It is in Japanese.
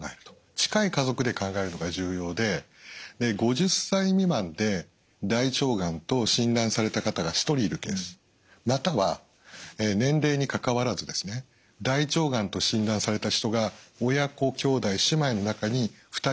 近い家族で考えるのが重要で５０歳未満で大腸がんと診断された方が１人いるケースまたは年齢にかかわらず大腸がんと診断された人が親・子・兄弟姉妹の中に２人いると。